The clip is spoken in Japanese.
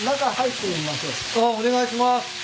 あっお願いします。